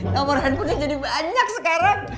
nomor handphonenya jadi banyak sekarang